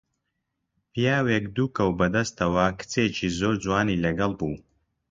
پیاوێک دوو کەو بە دەستەوە، کچێکی زۆر جوانی لەگەڵ بوو